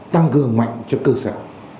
tăng cường mạnh cho cơ sở